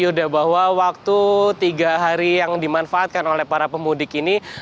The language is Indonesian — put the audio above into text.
yuda bahwa waktu tiga hari yang dimanfaatkan oleh para pemudik ini